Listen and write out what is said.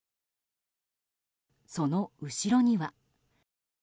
その後ろには。